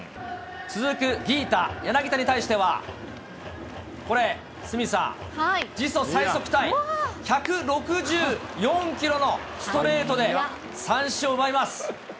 続くギータ・柳田に対しては、これ、鷲見さん、自己最速タイ１６４キロのストレートで三振を奪います。